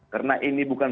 karena ini bukan